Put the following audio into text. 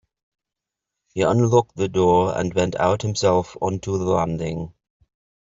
He unlocked the door and went out himself on to the landing.